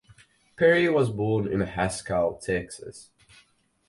Perry was born in Haskell, Texas.